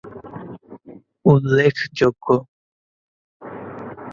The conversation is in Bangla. উল্লেখ যোগ্য